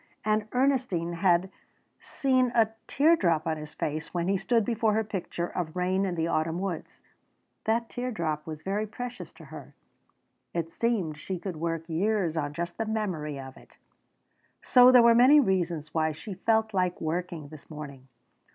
And Ernestine had seen a teardrop on his face when he stood before her picture of rain in the autumn woods. That teardrop was very precious to her. It seemed she could work years on just the memory of it. So there were many reasons why she felt like working this morning.